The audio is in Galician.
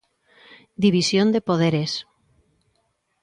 División de poderes.